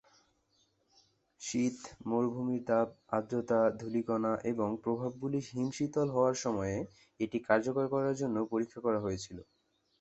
শীত, মরুভূমির তাপ, আর্দ্রতা, ধূলিকণা এবং প্রভাবগুলি হিমশীতল হওয়ার সময়ে এটি কার্যকর করার জন্য পরীক্ষা করা হয়েছিল।